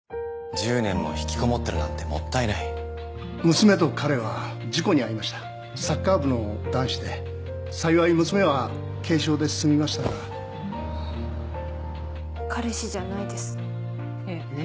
１０年も引きこもってるなんてもったいない娘と彼は事故に遭いましたサッカー部の男子で幸い娘は軽傷で済みましたが彼氏じゃないですえっ？